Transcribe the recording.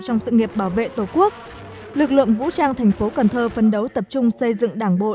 trong sự nghiệp bảo vệ tổ quốc lực lượng vũ trang tp cnh phấn đấu tập trung xây dựng đảng bộ